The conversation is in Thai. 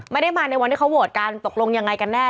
ไม่ได้มาในวันที่เขาโหวตกันตกลงยังไงกันแน่